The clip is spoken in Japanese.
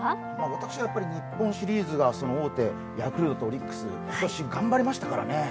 私はやっぱり日本シリーズが大手、ヤクルト、オリックス、今年頑張りましたからね。